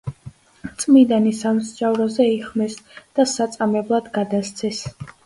წმიდანი სამსჯავროზე იხმეს და საწამებლად გადასცეს.